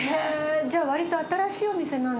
じゃあわりと新しいお店なんですか？